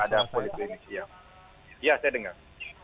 ya saya dengar